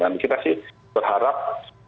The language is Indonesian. dan kita sih berharap